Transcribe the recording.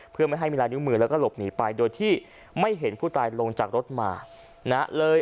เพื่อไม่ให้มีลายนิ้วมือแล้วก็หลบหนีไปโดยที่ไม่เห็นผู้ตายลงจากรถมานะเลย